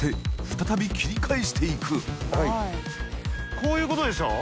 こういうことでしょ？